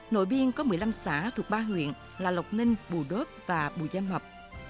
nội biên có một mươi năm xã thuộc ba huyện là lộc ninh bù đốt và bù gia mập